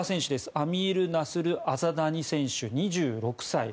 アミール・ナスル・アザダニ選手２６歳。